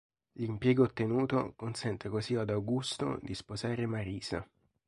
L'impiego ottenuto consente così ad Augusto di sposare Marisa.